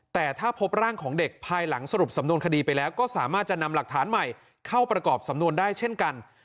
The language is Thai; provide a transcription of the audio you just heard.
แต่ถ้าพบร่างของเด็กภายหลังสรุปสำนวนคดีไปแล้วก็สามารถจะนำหลักฐานใหม่เข้าประกอบสำนวนได้เช่นกัน